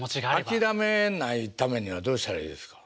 諦めないためにはどうしたらいいですか？